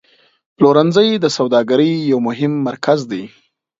پلورنځی د سوداګرۍ یو مهم مرکز دی.